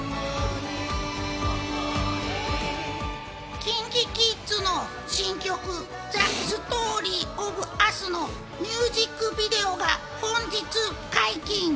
ＫｉｎＫｉＫｉｄｓの新曲『ＴｈｅＳｔｏｒｙｏｆＵｓ』のミュージックビデオが本日解禁。